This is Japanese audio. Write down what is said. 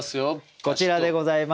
こちらでございます。